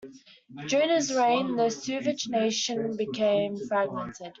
During his reign the Suevic nation became fragmented.